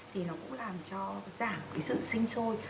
thì nó cũng làm cho giảm cái sự sinh sôi